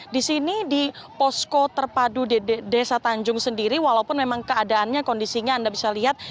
di sini di posko terpadu desa tanjung sendiri walaupun memang keadaannya kondisinya anda bisa lihat